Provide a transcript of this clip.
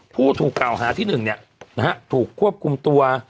ผู้ถูกเก่าหาที่หนึ่งเนี้ยนะฮะถูกควบคุมตัว